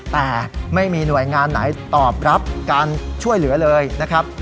แต่ไม่มีหน่วยงานไหนตอบรับการช่วยเหลือเลยนะครับ